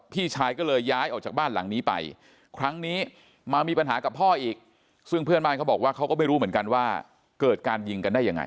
พี่ชายก็เลยย้ายออกจากบ้านหลังนี้ไปครั้งนี้มามีปัญหากับพ่ออีกซึ่งเพื่อนบ้านเขาบอกว่าเขาก็ไม่รู้เหมือนกันว่าเกิดการยิงกันได้ยังไง